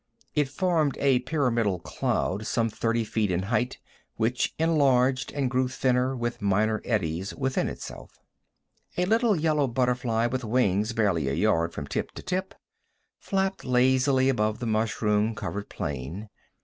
It formed a pyramidal cloud some thirty feet in height, which enlarged and grew thinner with minor eddies within itself. A little yellow butterfly with wings barely a yard from tip to tip, flapped lazily above the mushroom covered plain.